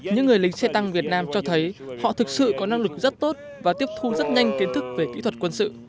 những người lính xe tăng việt nam cho thấy họ thực sự có năng lực rất tốt và tiếp thu rất nhanh kiến thức về kỹ thuật quân sự